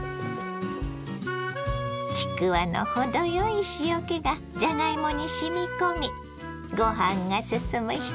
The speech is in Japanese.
ちくわの程よい塩気がじゃがいもにしみ込みごはんが進む１品。